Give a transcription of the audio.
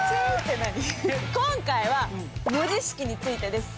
今回は文字式についてです。